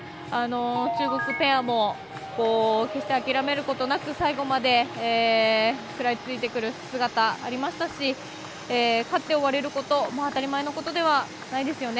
中国ペアも決して、諦めることなく最後まで食らいついてくる姿がありましたし勝って終われること当たり前のことではないですよね。